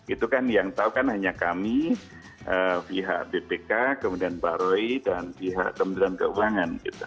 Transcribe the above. itu kan yang tahu kan hanya kami pihak bpk kemudian pak roy dan pihak kementerian keuangan